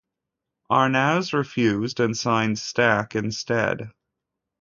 Arnaz refused and signed Stack, instead.